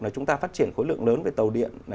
chúng ta phát triển khối lượng lớn về tàu điện